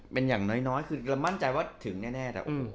เป็นอย่างน้อยน้อยคือการมั่นใจถึงแน่